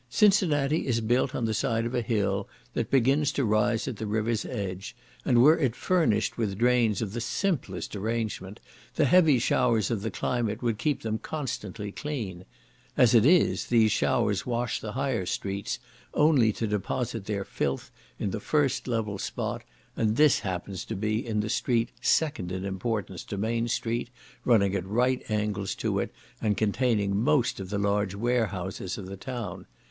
Cincinnati is built on the side of a hill that begins to rise at the river's edge, and were it furnished with drains of the simplest arrangement, the heavy showers of the climate would keep them constantly clean; as it is, these showers wash the higher streets, only to deposit their filth in the first level spot; and this happens to be in the street second in importance to Main street, running at right angles to it, and containing most of the large warehouses of the town.